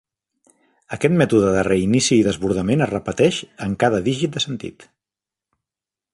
Aquest mètode de reinici i desbordament es repeteix en cada dígit de sentit.